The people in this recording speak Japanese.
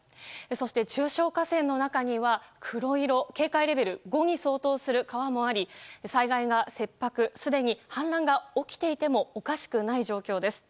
そして、中小河川の中には黒色、警戒レベル５に相当する川もあり、災害が切迫すでに氾濫が起きていてもおかしくない状況です。